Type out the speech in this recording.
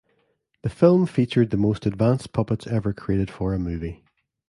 The film featured the most advanced puppets ever created for a movie.